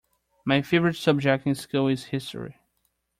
My favorite subject in school is history.